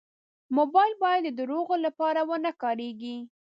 موبایل باید د دروغو لپاره و نه کارېږي.